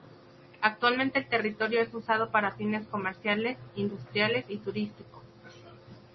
Actualmente el territorio es usado para fines comerciales, industriales y turísticos.